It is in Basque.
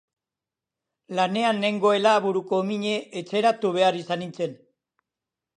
Lanean nengoela buruko mine etxeratu behar izan nintzen.